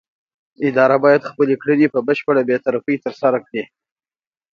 اداره باید خپلې کړنې په بشپړه بې طرفۍ ترسره کړي.